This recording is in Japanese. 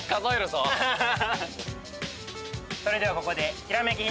それではここでひらめきヒントです。